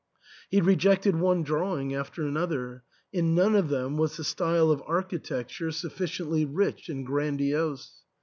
He rejected one drawing after another ; in none of them was the style of architecture sufficiently rich and grandiose.